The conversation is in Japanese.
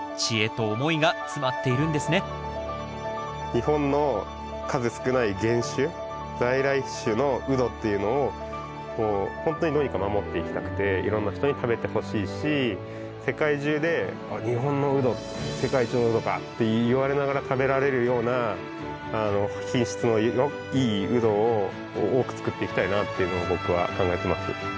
日本の数少ない原種在来種のウドっていうのをもうほんとにどうにか守っていきたくていろんな人に食べてほしいし世界中で「あっ日本のウド世界一のウドか！」って言われながら食べられるような品質のいいウドを多く作っていきたいなっていうのを僕は考えてます。